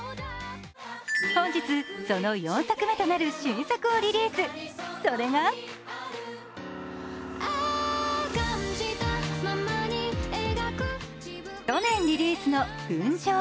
本日その４作目となる新作をリリース、それが去年リリースの「群青」。